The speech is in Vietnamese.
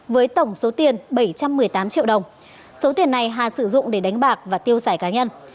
với tổng số tiền bảy trăm một mươi tám triệu đồng số tiền này hà sử dụng để đánh bạc và tiêu xài cá nhân